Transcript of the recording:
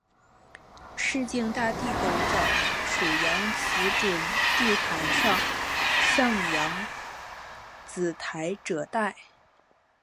市境大地构造属扬子准地台上扬子台褶带。